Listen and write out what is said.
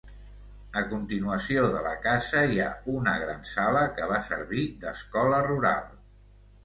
A continuació de la casa hi ha una gran sala, que va servir d'escola rural.